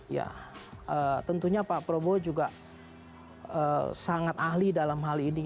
ya tentunya pak prabowo juga sangat ahli dalam hal ini